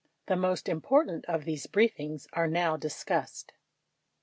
The most important of these briefings are now discussed.